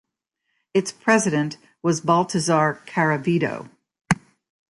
Its president was Baltazar Caravedo.